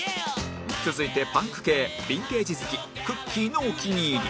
続いてパンク系ヴィンテージ好きくっきー！のお気に入り